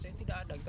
saya tidak ada